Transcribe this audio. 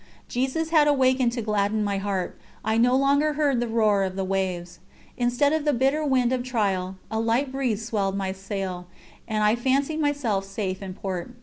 Jesus had awakened to gladden my heart. I no longer heard the roar of the waves. Instead of the bitter wind of trial, a light breeze swelled my sail, and I fancied myself safe in port.